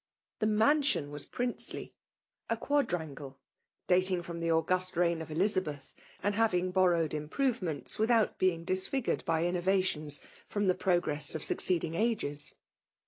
The mansion was princely; a quadrangle^ dating from the august reign of Elizabeth, and having borrowed improvements^ without being disfigured by innovations, from the progress ol succeeding ages.